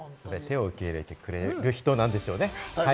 全て受け入れてくれる人なんでしょうね。